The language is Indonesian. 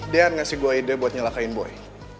dean ngasih gue ide buat nyelakain boy